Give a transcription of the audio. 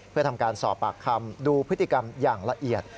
เพื่อทำการสอบปากคำดูพฤติกรรมอย่างละเอียด